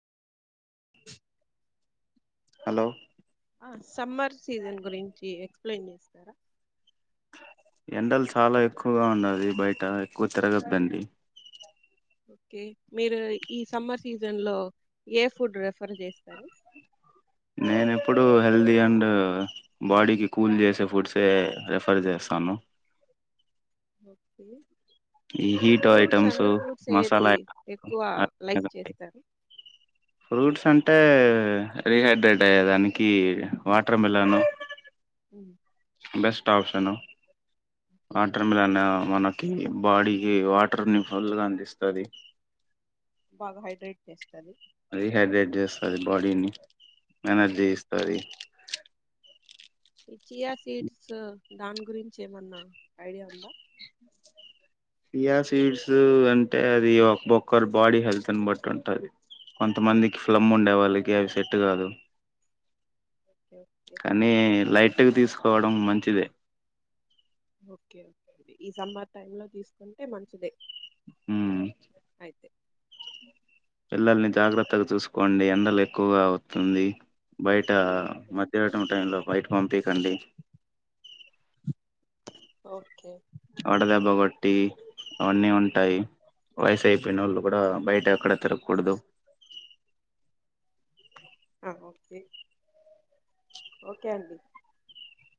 hello అస్ summer season గురించి explain చేస్తారా ఎండలు చాలా ఎక్కువగా ఉన్నది బయట ఎక్కువ తిరగద్దండి ఓకే మీరు ఈ సమ్మర్ సీజన్లో ఏ ఫుడ్ రెఫర్ చేస్తారు నేను ఎప్పుడు హెల్దీ అండ్ బాడీకి కూల్ చేసే ఫుడ్సే రిఫర్ చేస్తాను ఓకే ఈ హీట్ ఫ్రూట్స్ ఐటమ్స్ అండి ఫ్రూట్స్ ఏది మసాలా ఎక్కువ లైక్ చేస్తారు ఫ్రూట్స్ అంటే రీహైడ్రేట్ అయ్యే దానికి వాటర్ మిలన్ ఉహు best option okay water melon మనకి బాడీకి వాటర్ ని ఫుల్ అందిస్తది బాగా హైడ్రేట్ చేస్తది రీహైడ్రేట్ చేస్తది బాడిన్ని ఎనర్జీ ఓకే ఇస్తది ఈ చియా సీడ్స్ దాని గురించి ఏమన్నా ఐడియా ఉందా పియా సీడ్సు అంటే అది ఒక్ బొక్కరు బాడీ హెల్త్ అని బట్టి ఉంటాది కొంతమందికి ఫ్లమ్ ఉండే వాళ్ళకి అవి సెట్ కాదు ఓకే ఓకే కానీ లైట్ ఇవి తీసుకోవడం మంచిదే ఓకేే ఓకే అండి ఈ సమ్మర్ టైమ్ లో తీసుకుంటే మంచిదే ఊ అయితే పిల్లల్ని జాగ్రత్తగా చూసుకోండి ఎండలు ఎక్కువగా అవుతుంది బయట ఓకే మధ్యాటం టైం లో నైట్ పంపి కండి ఓకే కాబట్టి అవన్నీ ఉంటాయి వయసు అయిపోయిన వాళ్ళు కూడా బయట ఎక్కడ తిరగకూడదు ఆ ఓకే ఓకే అండి